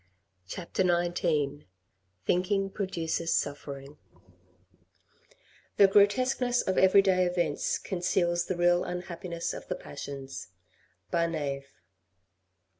CHAPTER XIX THINKING PRODUCES SUFFERING The grotesqness of every day events conceals the real unhappiness of the passions. — Barnave.